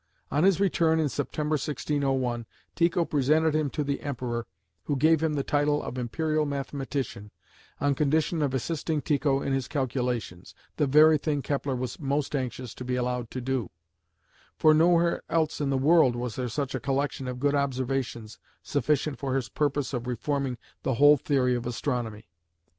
On his return in September, 1601, Tycho presented him to the Emperor, who gave him the title of Imperial Mathematician, on condition of assisting Tycho in his calculations, the very thing Kepler was most anxious to be allowed to do: for nowhere else in the world was there such a collection of good observations sufficient for his purpose of reforming the whole theory of astronomy.